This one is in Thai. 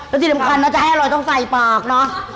แล้วที่สำคัญนะจะให้อร่อยต้องใส่ปากเนอะ